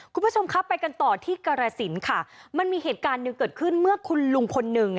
คุณผู้ชมครับไปกันต่อที่กรสินค่ะมันมีเหตุการณ์หนึ่งเกิดขึ้นเมื่อคุณลุงคนหนึ่ง